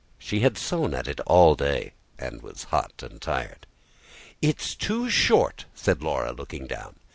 She had sewn at it all day, and was hot and tired. "It's too short," said Laura, looking down.